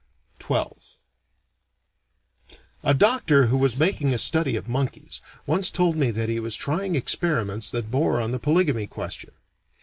XII A doctor, who was making a study of monkeys, once told me that he was trying experiments that bore on the polygamy question.